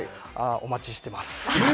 お待ちしています。